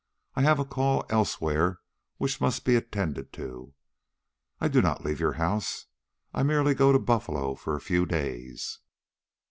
I have a call elsewhere which must be attended to. I do not leave your house; I merely go to Buffalo for a few days."